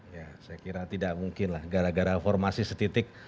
ya saya kira tidak mungkin lah gara gara formasi setitik